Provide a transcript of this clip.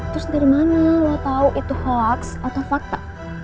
terus dari mana lo tahu itu hoax atau fakta